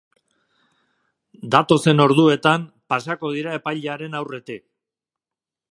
Datozen orduetan pasako dira epailearen aurretik.